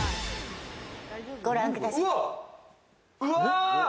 ご覧ください。